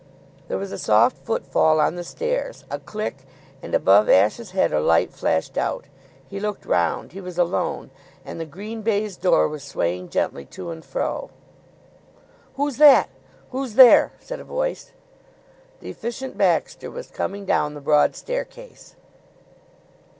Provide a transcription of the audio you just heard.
There was a soft footfall on the stairs, a click, and above Ashe's head a light flashed out. He looked round. He was alone, and the green baize door was swaying gently to and fro. "Who's that? Who's there?" said a voice. The Efficient Baxter was coming down the broad staircase.